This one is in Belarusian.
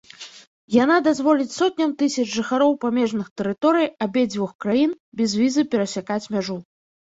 Яна дазволіць сотням тысяч жыхароў памежных тэрыторый абедзвюх краін без візы перасякаць мяжу.